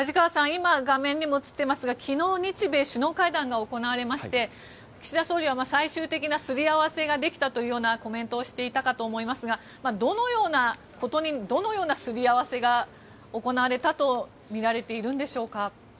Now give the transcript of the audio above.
今、画面にも映っていますが昨日、日米首脳会談が行われまして岸田総理は最終的なすり合わせができたというようなコメントをしていたかと思いますがどのようなことにどのようなすり合わせが行われたとみられているんでしょうか。